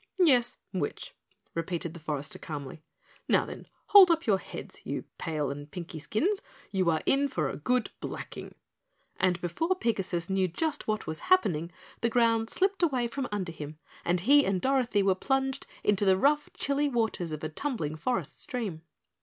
"Yes, witch," repeated the forester calmly. "Now, then, hold up your heads, you pale and pinky skins, for you are in for a good blacking." And before Pigasus knew just what WAS happening the ground slipped away from under him and he and Dorothy were plunged into the rough chilly waters of a tumbling forest stream.